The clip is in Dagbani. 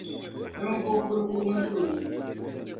Ninvuɣ’ kurigu Wunsuhigu.